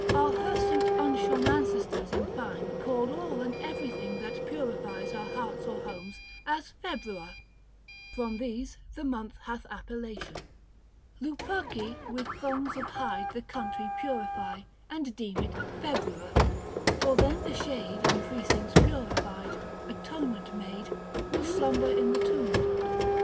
Our hirsute unshorn ancestors in fine Called all and everything that purifies 15 Our hearts or homes as Februa : from these The month hath appellation. Luperci With thongs of hide the country purify And deem it Februa — for then the shade In precincts purified, atonement made, 20 Will slumber in the tomb.